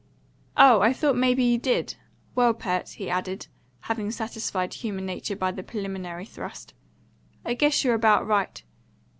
"Oh, I thought may be you did. Well, Pert," he added, having satisfied human nature by the preliminary thrust, "I guess you're about right.